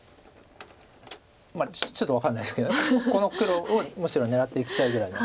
ちょっと分かんないですけどこの黒をむしろ狙っていきたいぐらいな。